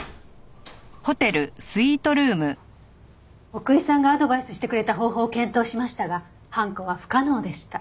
奥居さんがアドバイスしてくれた方法を検討しましたが犯行は不可能でした。